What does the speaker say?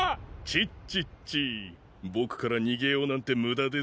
チッチッチぼくからにげようなんてむだですよ。